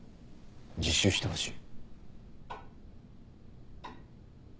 自首してほしい。